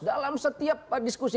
dalam setiap diskusi